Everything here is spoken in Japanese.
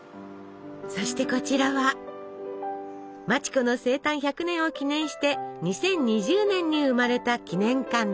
そしてこちらは町子の生誕１００年を記念して２０２０年に生まれた記念館です。